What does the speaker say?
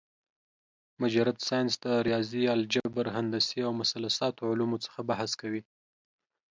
مجرد ساينس د رياضي ، الجبر ، هندسې او مثلثاتو علومو څخه بحث کوي